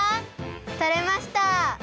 とれました！